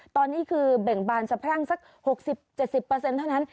ตอนนี้คือเบ่งบานสะพรั่งสัก๖๐๗๐เท่านั้น